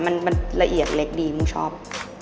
มันละเอียดเล็กดีมึงชอบ